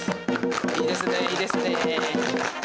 いいですねいいですね。